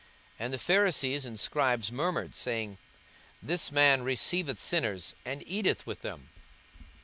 42:015:002 And the Pharisees and scribes murmured, saying, This man receiveth sinners, and eateth with them.